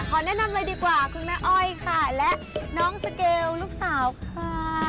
แนะนำเลยดีกว่าคุณแม่อ้อยค่ะและน้องสเกลลูกสาวค่ะ